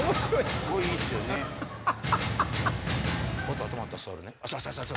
音が止まったら座る！ね。